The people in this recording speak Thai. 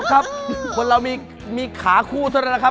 ครับคนเรามีขาคู่เท่านั้นนะครับ